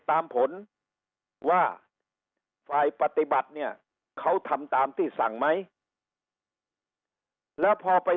ตามผลว่าฝ่ายปฏิบัติเนี่ยเขาทำตามที่สั่งไหมแล้วพอไป